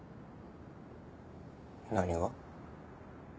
何が？